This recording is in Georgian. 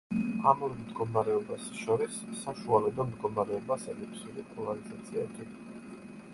ამ ორ მდგომარეობას შორის საშუალედო მდგომარეობას ელიფსური პოლარიზაცია ეწოდება.